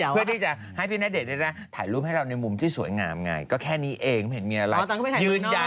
เพื่อที่จะให้พี่ณเดชน์ถ่ายรูปให้เราในมุมที่สวยงามไงก็แค่นี้เองไม่เห็นมีอะไรยืนยัน